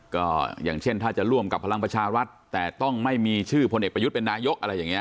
ก็อย่างเช่นถ้าจะร่วมกับพลังประชารัฐแต่ต้องไม่มีชื่อพลเอกประยุทธ์เป็นนายกอะไรอย่างนี้